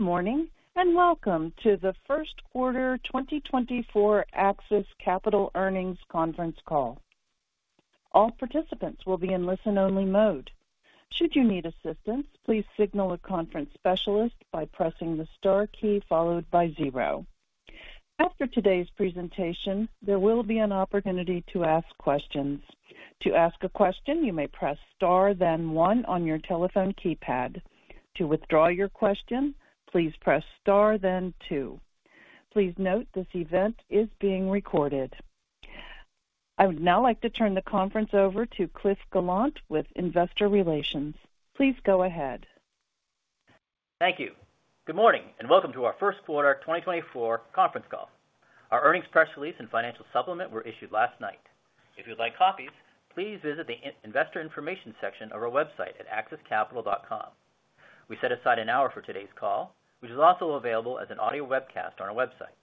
Good morning and welcome to the First Quarter 2024 AXIS Capital Earnings Conference Call. All participants will be in listen-only mode. Should you need assistance, please signal a conference specialist by pressing the star key followed by zero. After today's presentation, there will be an opportunity to ask questions. To ask a question, you may press star then one on your telephone keypad. To withdraw your question, please press star then two. Please note this event is being recorded. I would now like to turn the conference over to Cliff Gallant with Investor Relations. Please go ahead. Thank you. Good morning and welcome to our first quarter 2024 conference call. Our earnings press release and financial supplement were issued last night. If you would like copies, please visit the investor information section of our website at axiscapital.com. We set aside an hour for today's call, which is also available as an audio webcast on our website.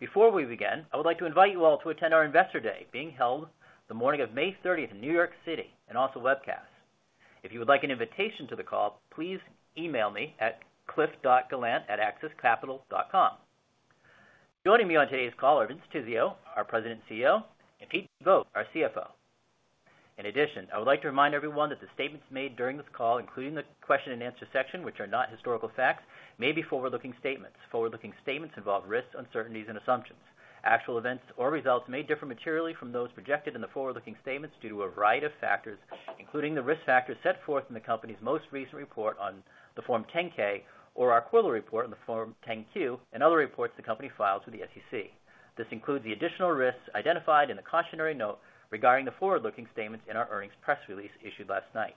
Before we begin, I would like to invite you all to attend our Investor Day, being held the morning of May 30th in New York City, and also webcast. If you would like an invitation to the call, please email me at cliff.gallant@axiscapital.com. Joining me on today's call are Vince Tizzio, our President and CEO, and Pete Vogt, our CFO. In addition, I would like to remind everyone that the statements made during this call, including the question and answer section, which are not historical facts, may be forward-looking statements. Forward-looking statements involve risks, uncertainties, and assumptions. Actual events or results may differ materially from those projected in the forward-looking statements due to a variety of factors, including the risk factors set forth in the company's most recent report on the Form 10-K or our quarterly report on the Form 10-Q and other reports the company files with the SEC. This includes the additional risks identified in the cautionary note regarding the forward-looking statements in our earnings press release issued last night.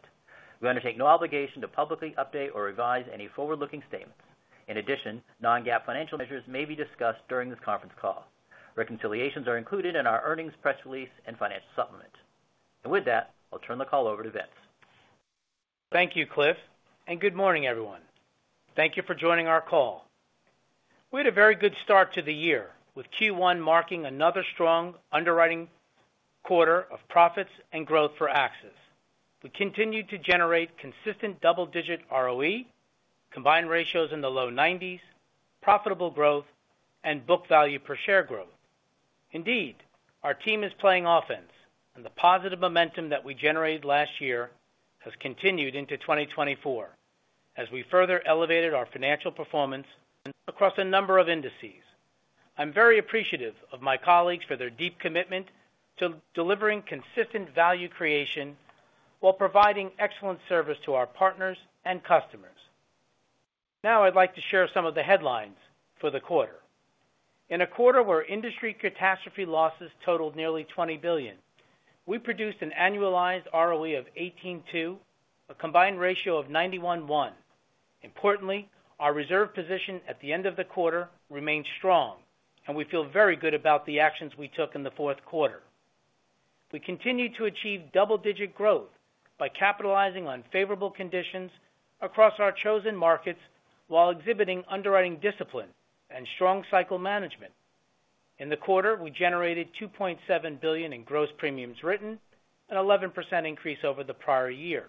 We undertake no obligation to publicly update or revise any forward-looking statements. In addition, non-GAAP financial measures may be discussed during this conference call. Reconciliations are included in our earnings press release and financial supplement. With that, I'll turn the call over to Vince. Thank you, Cliff, and good morning, everyone. Thank you for joining our call. We had a very good start to the year, with Q1 marking another strong underwriting quarter of profits and growth for AXIS. We continued to generate consistent double-digit ROE, combined ratios in the low 90s, profitable growth, and book value per share growth. Indeed, our team is playing offense, and the positive momentum that we generated last year has continued into 2024 as we further elevated our financial performance across a number of indices. I'm very appreciative of my colleagues for their deep commitment to delivering consistent value creation while providing excellent service to our partners and customers. Now I'd like to share some of the headlines for the quarter. In a quarter where industry catastrophe losses totaled nearly $20 billion, we produced an annualized ROE of 18.2%, a combined ratio of 91.1%. Importantly, our reserve position at the end of the quarter remained strong, and we feel very good about the actions we took in the fourth quarter. We continued to achieve double-digit growth by capitalizing on favorable conditions across our chosen markets while exhibiting underwriting discipline and strong cycle management. In the quarter, we generated $2.7 billion in gross premiums written, an 11% increase over the prior year.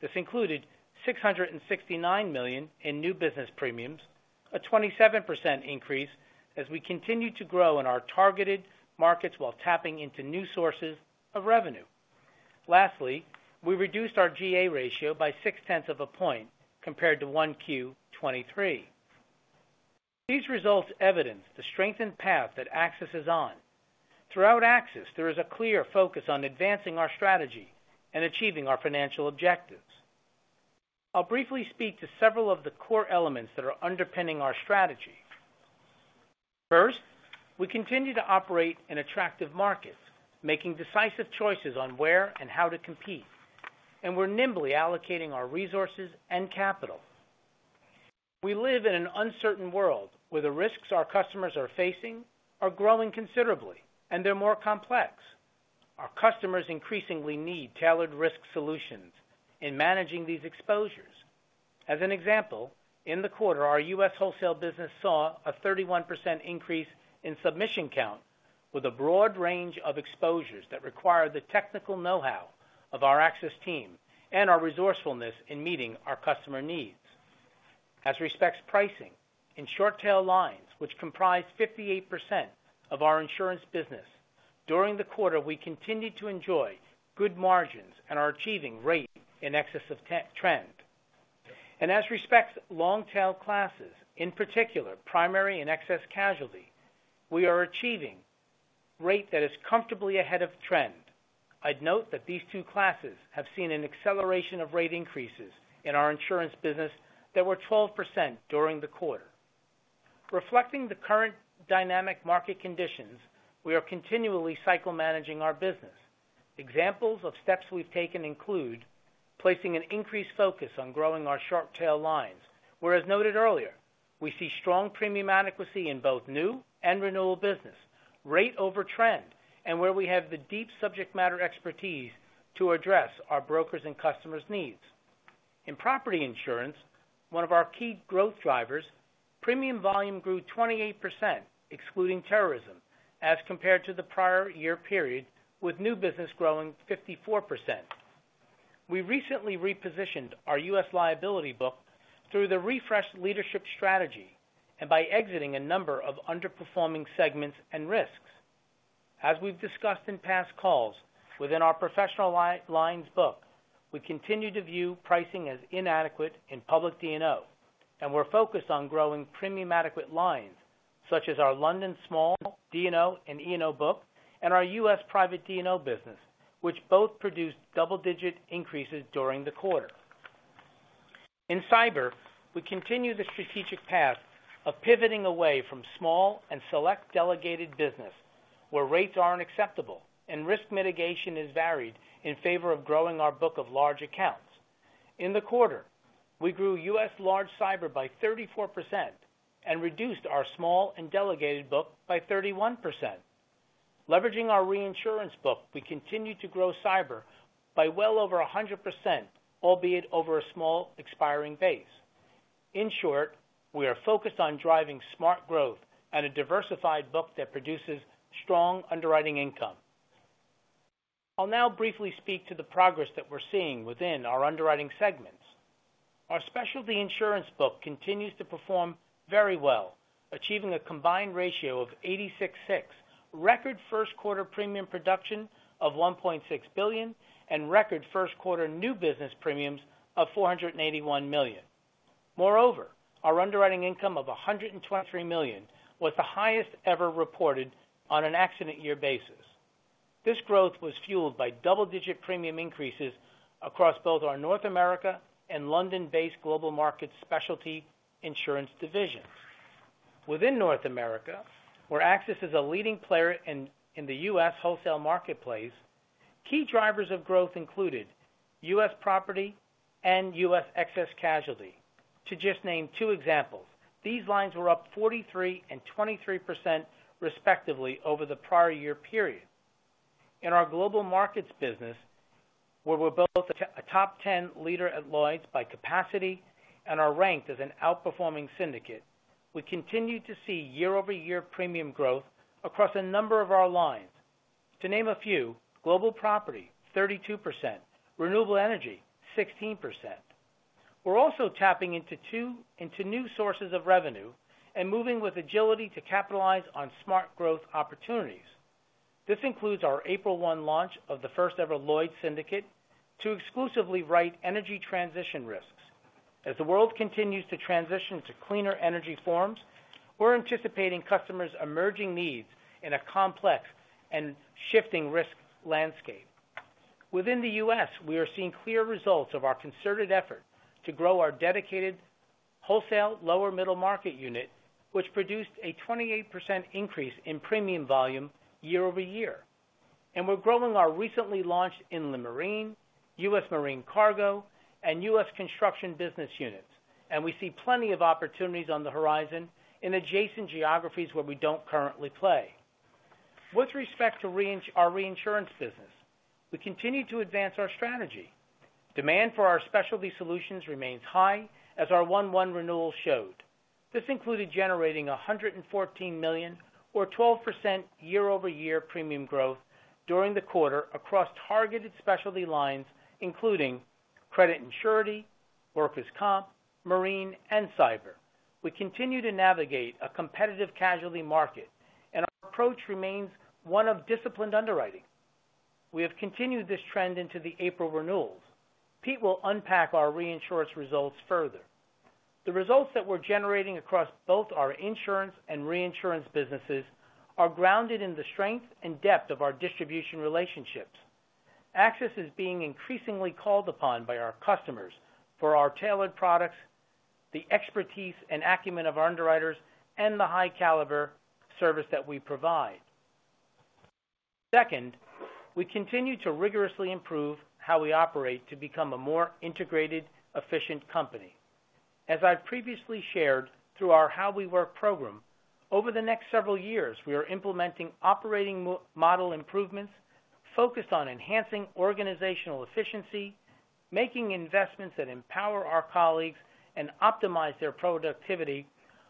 This included $669 million in new business premiums, a 27% increase as we continued to grow in our targeted markets while tapping into new sources of revenue. Lastly, we reduced our G&A ratio by 0.6 points compared to 1Q 2023. These results evidence the strengthened path that AXIS is on. Throughout AXIS, there is a clear focus on advancing our strategy and achieving our financial objectives. I'll briefly speak to several of the core elements that are underpinning our strategy. First, we continue to operate in attractive markets, making decisive choices on where and how to compete, and we're nimbly allocating our resources and capital. We live in an uncertain world where the risks our customers are facing are growing considerably, and they're more complex. Our customers increasingly need tailored risk solutions in managing these exposures. As an example, in the quarter, our U.S. wholesale business saw a 31% increase in submission count, with a broad range of exposures that required the technical know-how of our AXIS team and our resourcefulness in meeting our customer needs. As respects pricing, in short-tail lines, which comprise 58% of our insurance business, during the quarter we continued to enjoy good margins and are achieving rate in excess of trend. As respects long-tail classes, in particular primary and excess casualty, we are achieving rate that is comfortably ahead of trend. I'd note that these two classes have seen an acceleration of rate increases in our insurance business that were 12% during the quarter. Reflecting the current dynamic market conditions, we are continually cycle managing our business. Examples of steps we've taken include placing an increased focus on growing our short-tail lines, where as noted earlier, we see strong premium adequacy in both new and renewal business, rate over trend, and where we have the deep subject matter expertise to address our brokers' and customers' needs. In property insurance, one of our key growth drivers, premium volume grew 28%, excluding terrorism, as compared to the prior year period, with new business growing 54%. We recently repositioned our U.S. liability book through the refreshed leadership strategy and by exiting a number of underperforming segments and risks. As we've discussed in past calls within our Professional Lines book, we continue to view pricing as inadequate in Public D&O, and we're focused on growing premium adequate lines, such as our London Small D&O and E&O book and our U.S. Private D&O business, which both produced double-digit increases during the quarter. In Cyber, we continue the strategic path of pivoting away from small and select delegated business, where rates aren't acceptable and risk mitigation is varied in favor of growing our book of large accounts. In the quarter, we grew U.S. Large Cyber by 34% and reduced our small and delegated book by 31%. Leveraging our reinsurance book, we continue to grow Cyber by well over 100%, albeit over a small expiring base. In short, we are focused on driving smart growth and a diversified book that produces strong underwriting income. I'll now briefly speak to the progress that we're seeing within our underwriting segments. Our specialty insurance book continues to perform very well, achieving a combined ratio of 86.6%, record first-quarter premium production of $1.6 billion, and record first-quarter new business premiums of $481 million. Moreover, our underwriting income of $123 million was the highest ever reported on an accident year basis. This growth was fueled by double-digit premium increases across both our North America and London-based global markets specialty insurance divisions. Within North America, where AXIS is a leading player in the U.S. wholesale marketplace, key drivers of growth included U.S. Property and U.S. Excess Casualty. To just name two examples, these lines were up 43% and 23% respectively over the prior year period. In our global markets business, where we're both a top 10 leader at Lloyd's by capacity and are ranked as an outperforming syndicate, we continue to see year-over-year premium growth across a number of our lines. To name a few: Global Property, 32%; Renewable Energy, 16%. We're also tapping into new sources of revenue and moving with agility to capitalize on smart growth opportunities. This includes our April 1 launch of the first-ever Lloyd's Syndicate to exclusively write energy transition risks. As the world continues to transition to cleaner energy forms, we're anticipating customers' emerging needs in a complex and shifting risk landscape. Within the U.S., we are seeing clear results of our concerted effort to grow our dedicated wholesale lower-middle market unit, which produced a 28% increase in premium volume year-over-year. We're growing our recently launched Inland Marine, U.S. Marine Cargo, and U.S. Construction business units, and we see plenty of opportunities on the horizon in adjacent geographies where we don't currently play. With respect to our reinsurance business, we continue to advance our strategy. Demand for our specialty solutions remains high, as our 1/1 renewals showed. This included generating $114 million, or 12% year-over-year premium growth, during the quarter across targeted specialty lines including credit and surety, workers' comp, marine, and cyber. We continue to navigate a competitive casualty market, and our approach remains one of disciplined underwriting. We have continued this trend into the April renewals. Pete will unpack our reinsurance results further. The results that we're generating across both our insurance and reinsurance businesses are grounded in the strength and depth of our distribution relationships. AXIS is being increasingly called upon by our customers for our tailored products, the expertise and acumen of our underwriters, and the high-caliber service that we provide. Second, we continue to rigorously improve how we operate to become a more integrated, efficient company. As I've previously shared through our How We Work program, over the next several years we are implementing operating model improvements focused on enhancing organizational efficiency, making investments that empower our colleagues and optimize their productivity,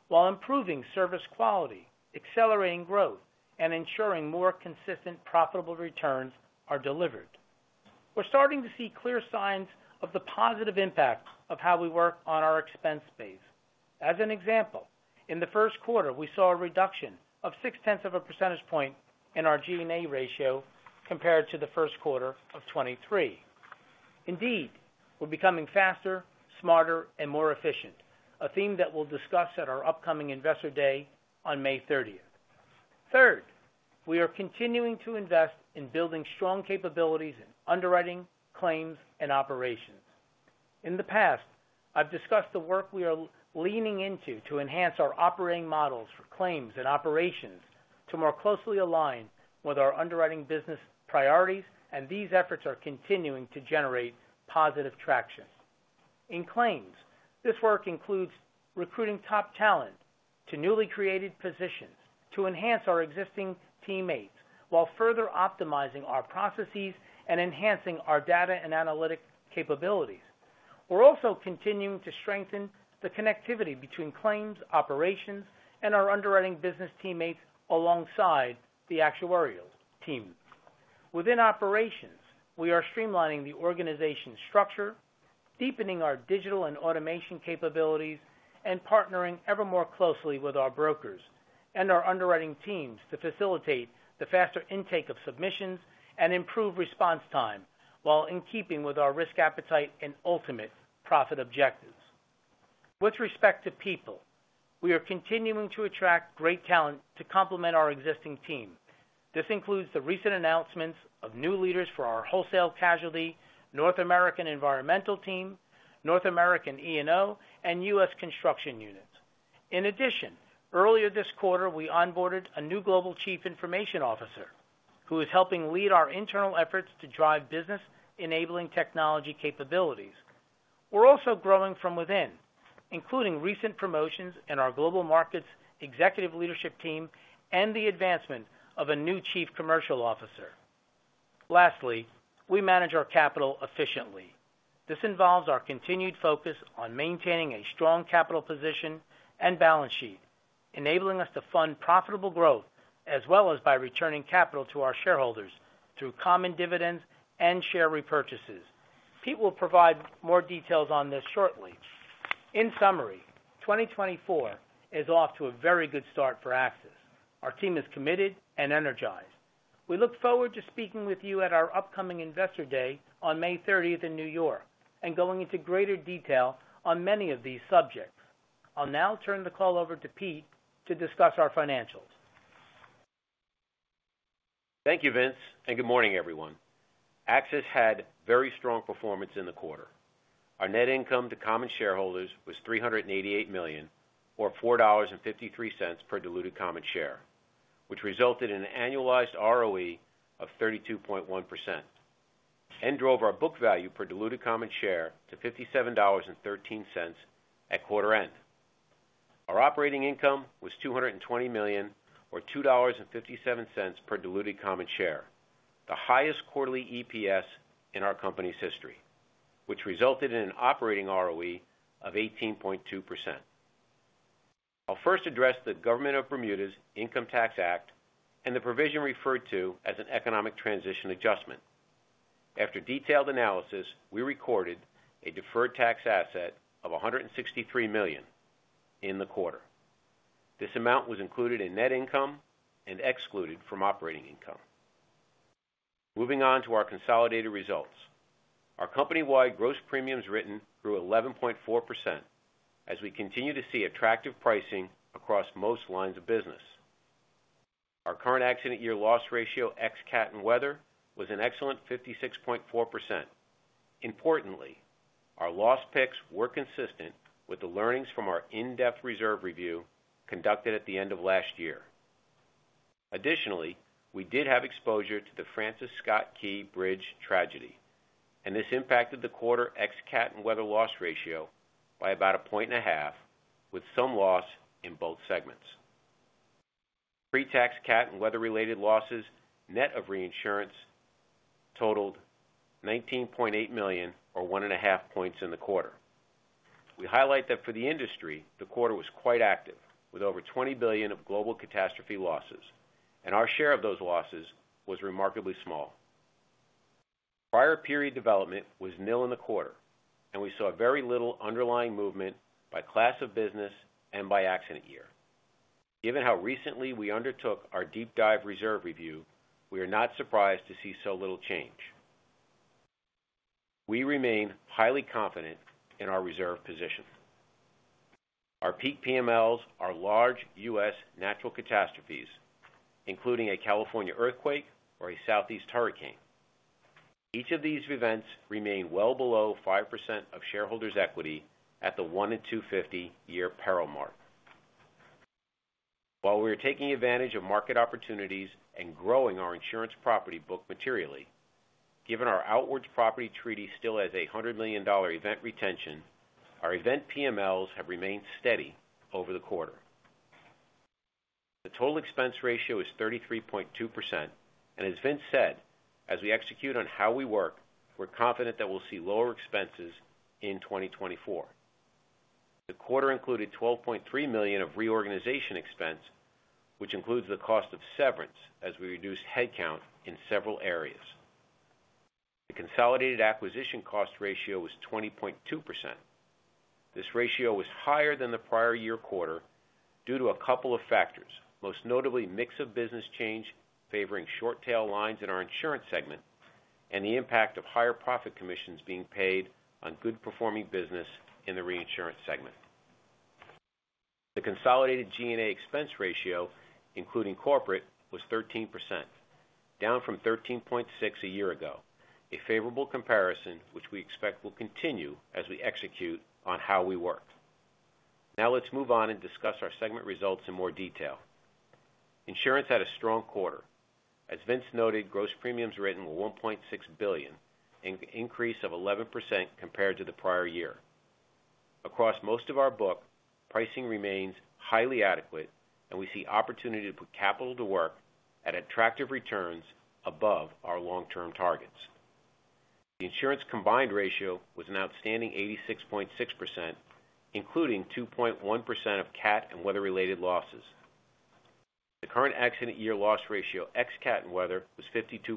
while improving service quality, accelerating growth, and ensuring more consistent profitable returns are delivered. We're starting to see clear signs of the positive impact of How We Work on our expense base. As an example, in the first quarter we saw a reduction of 0.6 percentage points in our G&A ratio compared to the first quarter of 2023. Indeed, we're becoming faster, smarter, and more efficient, a theme that we'll discuss at our upcoming Investor Day on May 30th. Third, we are continuing to invest in building strong capabilities in underwriting, claims, and operations. In the past, I've discussed the work we are leaning into to enhance our operating models for claims and operations to more closely align with our underwriting business priorities, and these efforts are continuing to generate positive traction. In claims, this work includes recruiting top talent to newly created positions to enhance our existing teammates while further optimizing our processes and enhancing our data and analytic capabilities. We're also continuing to strengthen the connectivity between claims, operations, and our underwriting business teammates alongside the actuarial team. Within operations, we are streamlining the organization's structure, deepening our digital and automation capabilities, and partnering ever more closely with our brokers and our underwriting teams to facilitate the faster intake of submissions and improve response time, while in keeping with our risk appetite and ultimate profit objectives. With respect to people, we are continuing to attract great talent to complement our existing team. This includes the recent announcements of new leaders for our wholesale casualty, North American Environmental Team, North American E&O, and U.S. Construction units. In addition, earlier this quarter we onboarded a new Global Chief Information Officer, who is helping lead our internal efforts to drive business-enabling technology capabilities. We're also growing from within, including recent promotions in our global markets executive leadership team and the advancement of a new Chief Commercial Officer. Lastly, we manage our capital efficiently. This involves our continued focus on maintaining a strong capital position and balance sheet, enabling us to fund profitable growth as well as by returning capital to our shareholders through common dividends and share repurchases. Pete will provide more details on this shortly. In summary, 2024 is off to a very good start for AXIS. Our team is committed and energized. We look forward to speaking with you at our upcoming Investor Day on May 30th in New York, and going into greater detail on many of these subjects. I'll now turn the call over to Pete to discuss our financials. Thank you, Vince, and good morning, everyone. AXIS had very strong performance in the quarter. Our net income to common shareholders was $388 million, or $4.53 per diluted common share, which resulted in an annualized ROE of 32.1%, and drove our book value per diluted common share to $57.13 at quarter-end. Our operating income was $220 million, or $2.57 per diluted common share, the highest quarterly EPS in our company's history, which resulted in an operating ROE of 18.2%. I'll first address the Government of Bermuda's Income Tax Act and the provision referred to as an economic transition adjustment. After detailed analysis, we recorded a deferred tax asset of $163 million in the quarter. This amount was included in net income and excluded from operating income. Moving on to our consolidated results. Our company-wide gross premiums written grew 11.4%, as we continue to see attractive pricing across most lines of business. Our current accident year loss ratio ex-cat and weather was an excellent 56.4%. Importantly, our loss picks were consistent with the learnings from our in-depth reserve review conducted at the end of last year. Additionally, we did have exposure to the Francis Scott Key Bridge tragedy, and this impacted the quarter ex-cat and weather loss ratio by about 1.5 points, with some loss in both segments. Pre-tax cat and weather-related losses net of reinsurance totaled $19.8 million, or 1.5 points, in the quarter. We highlight that for the industry, the quarter was quite active, with over $20 billion of global catastrophe losses, and our share of those losses was remarkably small. Prior period development was nil in the quarter, and we saw very little underlying movement by class of business and by accident year. Given how recently we undertook our deep dive reserve review, we are not surprised to see so little change. We remain highly confident in our reserve position. Our peak PMLs are large U.S. natural catastrophes, including a California earthquake or a Southeast Hurricane. Each of these events remained well below 5% of shareholders' equity at the 1-in-250-year peril mark. While we are taking advantage of market opportunities and growing our insurance property book materially, given our outwards property treaty still has a $100 million event retention, our event PMLs have remained steady over the quarter. The total expense ratio is 33.2%, and as Vince said, as we execute on How We Work, we're confident that we'll see lower expenses in 2024. The quarter included $12.3 million of reorganization expense, which includes the cost of severance as we reduced headcount in several areas. The consolidated acquisition cost ratio was 20.2%. This ratio was higher than the prior year quarter due to a couple of factors, most notably mix of business change favoring short-tail lines in our insurance segment and the impact of higher profit commissions being paid on good-performing business in the reinsurance segment. The consolidated G&A expense ratio, including corporate, was 13%, down from 13.6% a year ago, a favorable comparison which we expect will continue as we execute on How We Work. Now let's move on and discuss our segment results in more detail. Insurance had a strong quarter. As Vince noted, gross premiums written were $1.6 billion, an increase of 11% compared to the prior year. Across most of our book, pricing remains highly adequate, and we see opportunity to put capital to work at attractive returns above our long-term targets. The insurance combined ratio was an outstanding 86.6%, including 2.1% of cat and weather-related losses. The current accident year loss ratio ex-cat and weather was 52%,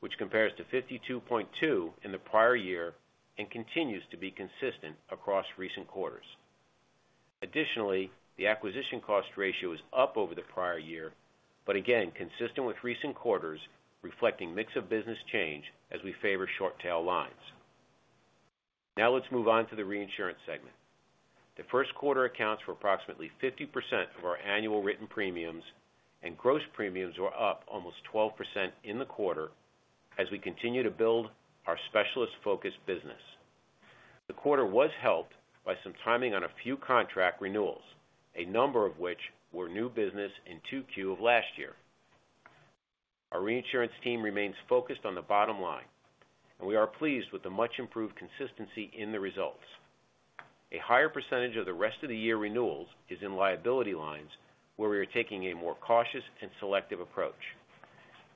which compares to 52.2% in the prior year and continues to be consistent across recent quarters. Additionally, the acquisition cost ratio is up over the prior year, but again consistent with recent quarters reflecting mix of business change as we favor short-tail lines. Now let's move on to the reinsurance segment. The first quarter accounts for approximately 50% of our annual written premiums, and gross premiums were up almost 12% in the quarter as we continue to build our specialist-focused business. The quarter was helped by some timing on a few contract renewals, a number of which were new business in 2Q of last year. Our reinsurance team remains focused on the bottom line, and we are pleased with the much-improved consistency in the results. A higher percentage of the rest of the year renewals is in liability lines, where we are taking a more cautious and selective approach,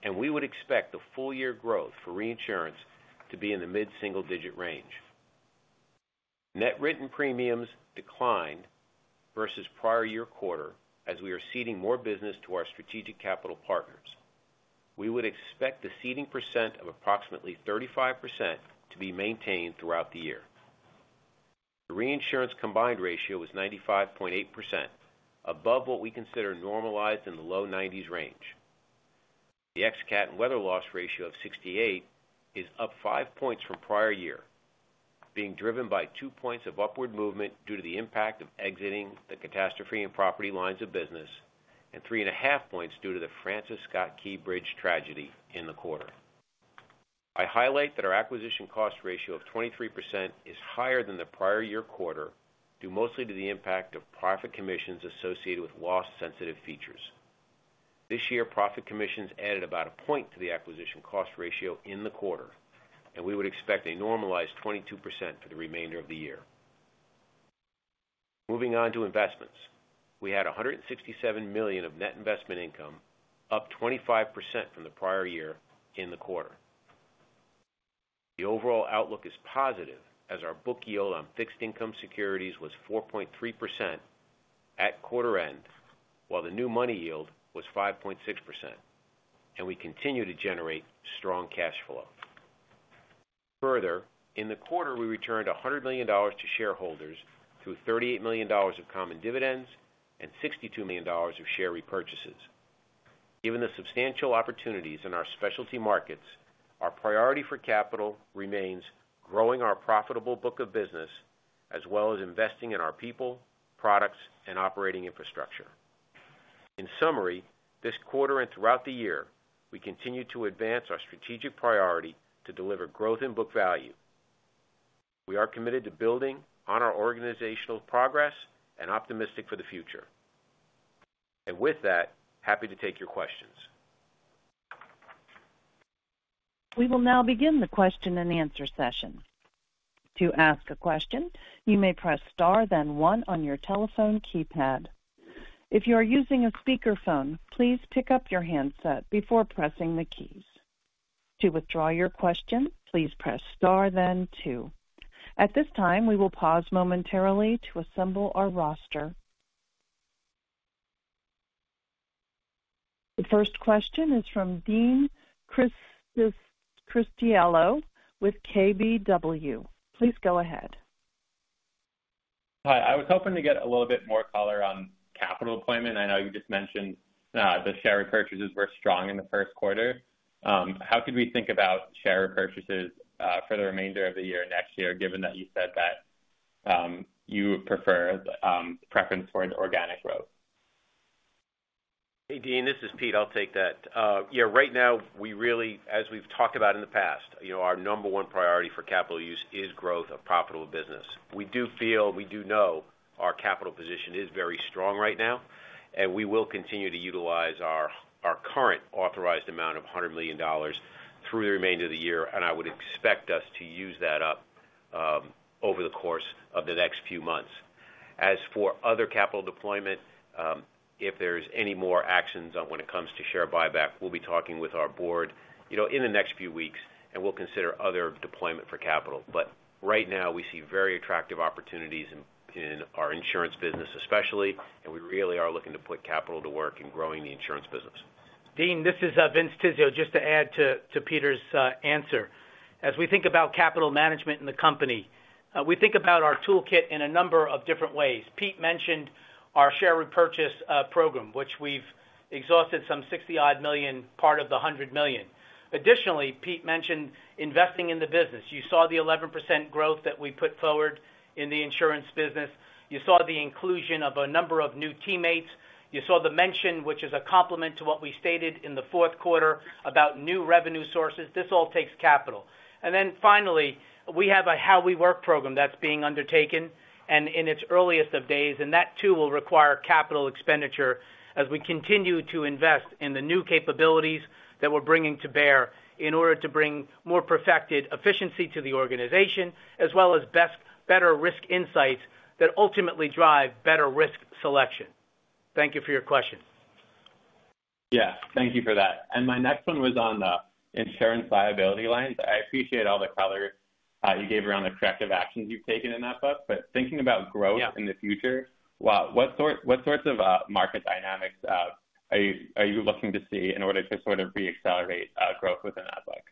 and we would expect the full-year growth for reinsurance to be in the mid-single-digit range. Net written premiums declined versus prior year quarter as we are ceding more business to our strategic capital partners. We would expect the ceding percent of approximately 35% to be maintained throughout the year. The reinsurance combined ratio was 95.8%, above what we consider normalized in the low 90s range. The ex-cat and weather loss ratio of 68 is up 5 points from prior year, being driven by 2 points of upward movement due to the impact of exiting the catastrophe and property lines of business, and 3.5 points due to the Francis Scott Key Bridge tragedy in the quarter. I highlight that our acquisition cost ratio of 23% is higher than the prior year quarter due mostly to the impact of profit commissions associated with loss-sensitive features. This year profit commissions added about 1 point to the acquisition cost ratio in the quarter, and we would expect a normalized 22% for the remainder of the year. Moving on to investments. We had $167 million of net investment income, up 25% from the prior year in the quarter. The overall outlook is positive, as our book yield on fixed income securities was 4.3% at quarter-end, while the new money yield was 5.6%, and we continue to generate strong cash flow. Further, in the quarter we returned $100 million to shareholders through $38 million of common dividends and $62 million of share repurchases. Given the substantial opportunities in our specialty markets, our priority for capital remains growing our profitable book of business as well as investing in our people, products, and operating infrastructure. In summary, this quarter and throughout the year we continue to advance our strategic priority to deliver growth in book value. We are committed to building on our organizational progress and optimistic for the future. With that, happy to take your questions. We will now begin the question and answer session. To ask a question, you may press star, then one, on your telephone keypad. If you are using a speakerphone, please pick up your handset before pressing the keys. To withdraw your question, please press star, then two. At this time we will pause momentarily to assemble our roster. The first question is from Dean Criscitiello with KBW. Please go ahead. Hi. I was hoping to get a little bit more color on capital allocation. I know you just mentioned the share repurchases were strong in the first quarter. How could we think about share repurchases for the remainder of the year next year, given that you said that you have a preference toward organic growth? Hey, Dean. This is Pete. I'll take that. Yeah, right now we really, as we've talked about in the past, our number one priority for capital use is growth of profitable business. We do feel we do know our capital position is very strong right now, and we will continue to utilize our current authorized amount of $100 million through the remainder of the year, and I would expect us to use that up over the course of the next few months. As for other capital deployment, if there's any more actions when it comes to share buyback, we'll be talking with our board in the next few weeks, and we'll consider other deployment for capital. But right now we see very attractive opportunities in our insurance business especially, and we really are looking to put capital to work in growing the insurance business. Dean, this is Vince Tizzio. Just to add to Peter's answer, as we think about capital management in the company, we think about our toolkit in a number of different ways. Pete mentioned our share repurchase program, which we've exhausted some $60-odd million part of the $100 million. Additionally, Pete mentioned investing in the business. You saw the 11% growth that we put forward in the insurance business. You saw the inclusion of a number of new teammates. You saw the mention, which is a complement to what we stated in the fourth quarter, about new revenue sources. This all takes capital. And then finally, we have a How We Work program that's being undertaken and in its earliest of days, and that too will require capital expenditure as we continue to invest in the new capabilities that we're bringing to bear in order to bring more perfected efficiency to the organization, as well as better risk insights that ultimately drive better risk selection. Thank you for your question. Yeah, thank you for that. My next one was on insurance liability lines. I appreciate all the color you gave around the corrective actions you've taken in that book, but thinking about growth in the future, what sorts of market dynamics are you looking to see in order to sort of reaccelerate growth within that book?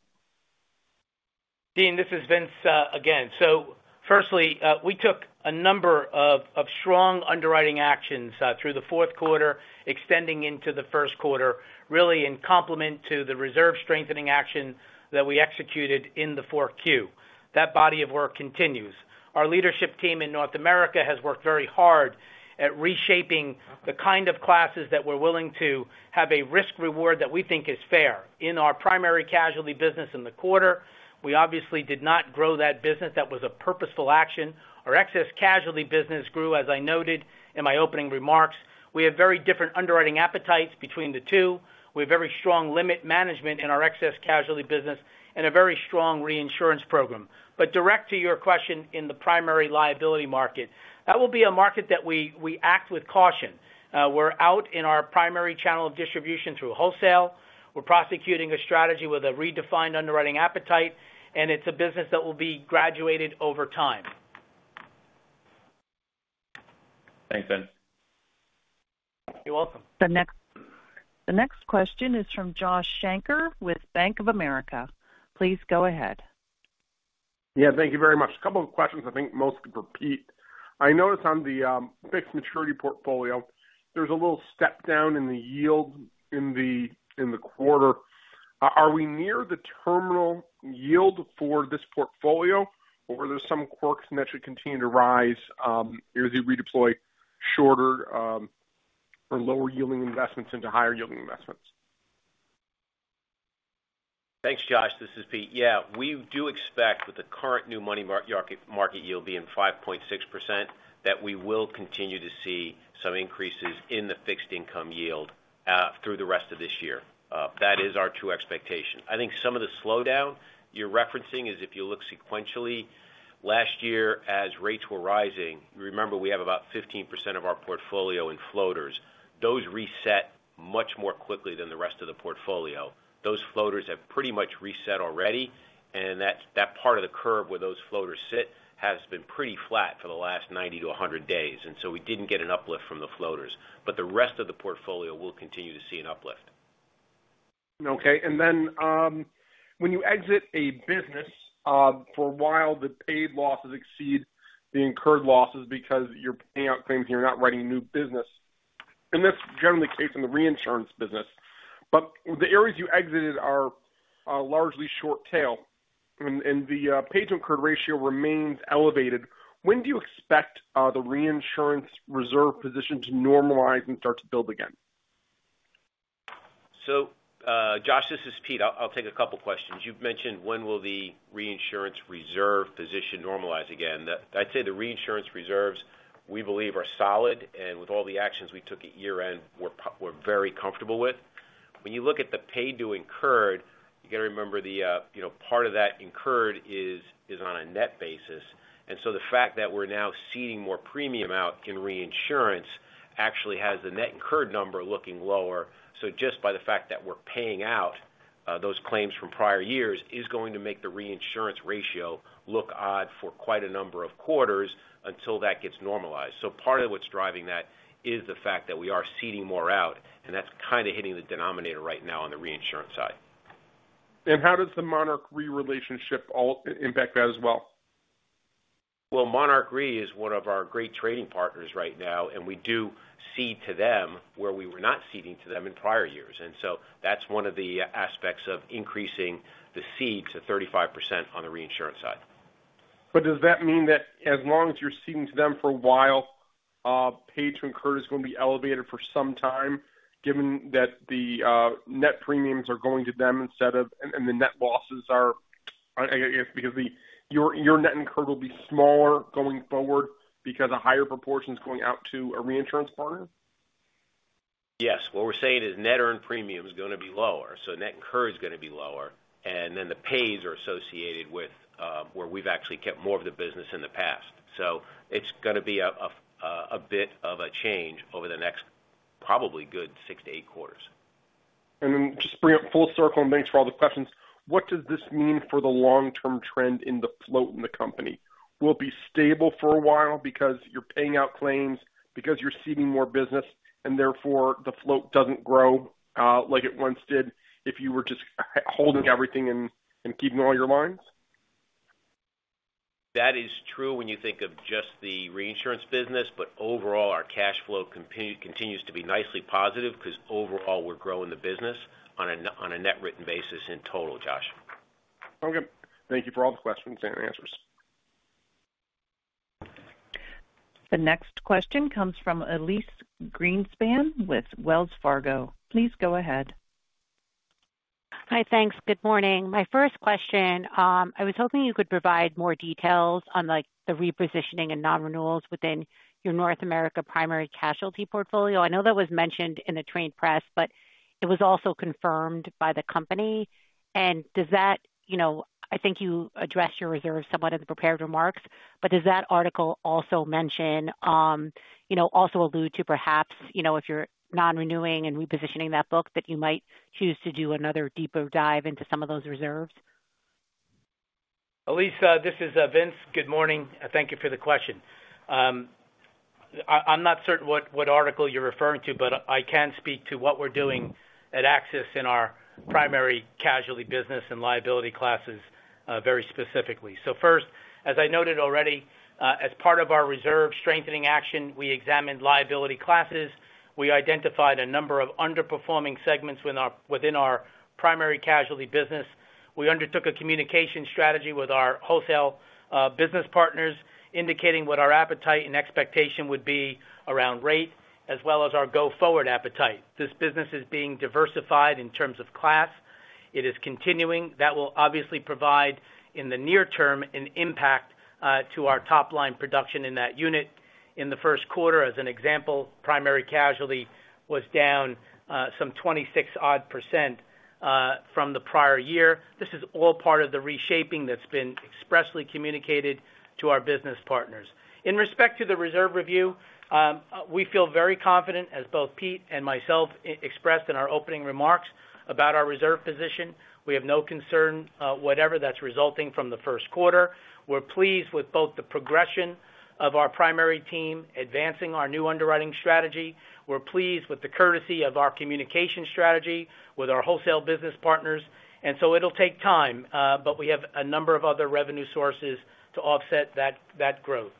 Dean, this is Vince again. So firstly, we took a number of strong underwriting actions through the fourth quarter extending into the first quarter, really in complement to the reserve strengthening action that we executed in the 4Q. That body of work continues. Our leadership team in North America has worked very hard at reshaping the kind of classes that we're willing to have a risk-reward that we think is fair. In our primary casualty business in the quarter, we obviously did not grow that business. That was a purposeful action. Our excess casualty business grew, as I noted in my opening remarks. We have very different underwriting appetites between the two. We have very strong limit management in our excess casualty business and a very strong reinsurance program. But direct to your question in the primary liability market, that will be a market that we act with caution. We're out in our primary channel of distribution through wholesale. We're prosecuting a strategy with a redefined underwriting appetite, and it's a business that will be graduated over time. Thanks, Vince. You're welcome. The next question is from Josh Shanker with Bank of America. Please go ahead. Yeah, thank you very much. A couple of questions I think most could repeat. I noticed on the fixed maturity portfolio there's a little step down in the yield in the quarter. Are we near the terminal yield for this portfolio, or are there some quirks and that should continue to rise as we redeploy shorter or lower-yielding investments into higher-yielding investments? Thanks, Josh. This is Pete. Yeah, we do expect with the current new money market yield being 5.6% that we will continue to see some increases in the fixed income yield through the rest of this year. That is our true expectation. I think some of the slowdown you're referencing is if you look sequentially. Last year as rates were rising, remember we have about 15% of our portfolio in floaters. Those reset much more quickly than the rest of the portfolio. Those floaters have pretty much reset already, and that part of the curve where those floaters sit has been pretty flat for the last 90-100 days, and so we didn't get an uplift from the floaters. But the rest of the portfolio will continue to see an uplift. Okay. And then when you exit a business, for a while the paid losses exceed the incurred losses because you're paying out claims and you're not writing new business, and that's generally the case in the reinsurance business. But the areas you exited are largely short-tail, and the paid-to-incurred ratio remains elevated. When do you expect the reinsurance reserve position to normalize and start to build again? So Josh, this is Pete. I'll take a couple of questions. You've mentioned when will the reinsurance reserve position normalize again. I'd say the reinsurance reserves we believe are solid, and with all the actions we took at year-end we're very comfortable with. When you look at the paid-to-incurred, you got to remember part of that incurred is on a net basis, and so the fact that we're now ceding more premium out in reinsurance actually has the net incurred number looking lower. So just by the fact that we're paying out those claims from prior years is going to make the reinsurance ratio look odd for quite a number of quarters until that gets normalized. So part of what's driving that is the fact that we are ceding more out, and that's kind of hitting the denominator right now on the reinsurance side. How does the Monarch Re relationship impact that as well? Well, Monarch Re is one of our great trading partners right now, and we do cede to them where we were not ceding to them in prior years. And so that's one of the aspects of increasing the ceded to 35% on the reinsurance side. But does that mean that as long as you're ceding to them for a while, paid-to-incurred is going to be elevated for some time given that the net premiums are going to them instead of and the net losses are I guess because your net incurred will be smaller going forward because a higher proportion is going out to a reinsurance partner? Yes. What we're saying is net earned premium is going to be lower, so net incur is going to be lower, and then the pays are associated with where we've actually kept more of the business in the past. So it's going to be a bit of a change over the next probably good 6-8 quarters. Then, just to bring it full circle and thanks for all the questions, what does this mean for the long-term trend in the float in the company? Will it be stable for a while because you're paying out claims, because you're ceding more business, and therefore the float doesn't grow like it once did if you were just holding everything and keeping all your lines? That is true when you think of just the reinsurance business, but overall our cash flow continues to be nicely positive because overall we're growing the business on a net written basis in total, Josh. Okay. Thank you for all the questions and answers. The next question comes from Elyse Greenspan with Wells Fargo. Please go ahead. Hi, thanks. Good morning. My first question, I was hoping you could provide more details on the repositioning and non-renewals within your North America Primary Casualty portfolio. I know that was mentioned in the trade press, but it was also confirmed by the company. And does that I think you addressed your reserves somewhat in the prepared remarks, but does that article also mention also allude to perhaps if you're non-renewing and repositioning that book that you might choose to do another deeper dive into some of those reserves? Elyse, this is Vince. Good morning. Thank you for the question. I'm not certain what article you're referring to, but I can speak to what we're doing at AXIS in our primary casualty business and liability classes very specifically. So first, as I noted already, as part of our reserve strengthening action, we examined liability classes. We identified a number of underperforming segments within our primary casualty business. We undertook a communication strategy with our wholesale business partners indicating what our appetite and expectation would be around rate, as well as our go-forward appetite. This business is being diversified in terms of class. It is continuing. That will obviously provide in the near term an impact to our top-line production in that unit. In the first quarter, as an example, primary casualty was down some 26-odd% from the prior year. This is all part of the reshaping that's been expressly communicated to our business partners. In respect to the reserve review, we feel very confident, as both Pete and myself expressed in our opening remarks about our reserve position. We have no concern whatever that's resulting from the first quarter. We're pleased with both the progression of our primary team advancing our new underwriting strategy. We're pleased with the courtesy of our communication strategy with our wholesale business partners. And so it'll take time, but we have a number of other revenue sources to offset that growth.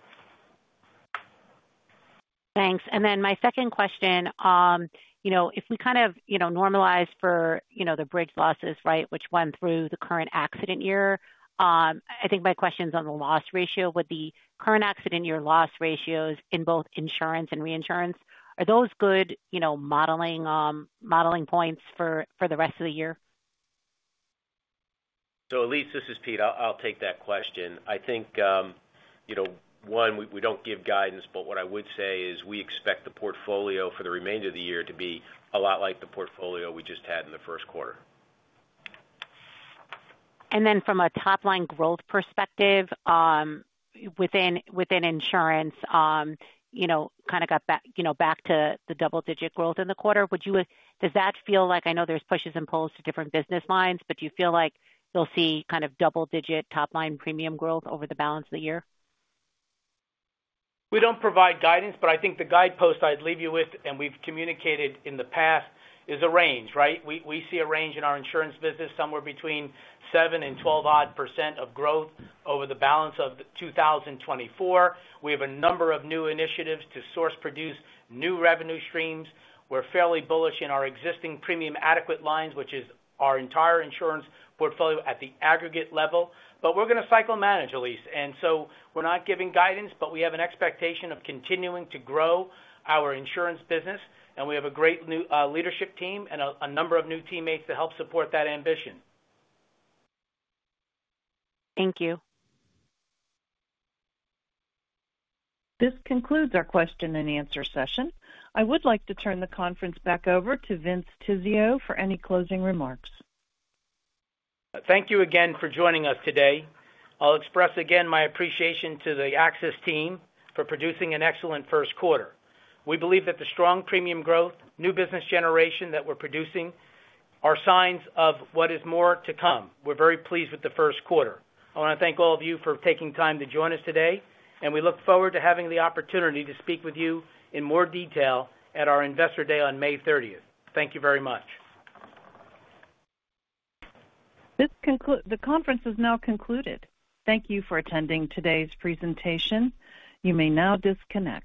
Thanks. And then my second question, if we kind of normalize for the bridge losses, right, which went through the current accident year, I think my question is on the loss ratio. With the current accident year loss ratios in both insurance and reinsurance, are those good modeling points for the rest of the year? So Elyse, this is Pete. I'll take that question. I think, one, we don't give guidance, but what I would say is we expect the portfolio for the remainder of the year to be a lot like the portfolio we just had in the first quarter. And then from a top-line growth perspective within insurance, kind of got back to the double-digit growth in the quarter. Does that feel like I know there's pushes and pulls to different business lines, but do you feel like you'll see kind of double-digit top-line premium growth over the balance of the year? We don't provide guidance, but I think the guidepost I'd leave you with, and we've communicated in the past, is a range, right? We see a range in our insurance business somewhere between 7% and 12%-odd growth over the balance of 2024. We have a number of new initiatives to source-produce new revenue streams. We're fairly bullish in our existing premium adequate lines, which is our entire insurance portfolio at the aggregate level. But we're going to cycle manage, Elyse. And so we're not giving guidance, but we have an expectation of continuing to grow our insurance business, and we have a great leadership team and a number of new teammates to help support that ambition. Thank you. This concludes our question and answer session. I would like to turn the conference back over to Vince Tizzio for any closing remarks. Thank you again for joining us today. I'll express again my appreciation to the AXIS team for producing an excellent first quarter. We believe that the strong premium growth, new business generation that we're producing, are signs of what is more to come. We're very pleased with the first quarter. I want to thank all of you for taking time to join us today, and we look forward to having the opportunity to speak with you in more detail at our investor day on May 30th. Thank you very much. The conference is now concluded. Thank you for attending today's presentation. You may now disconnect.